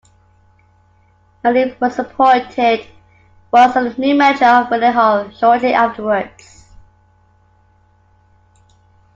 Mel Eves was appointed as the new manager of Willenhall shortly afterwards.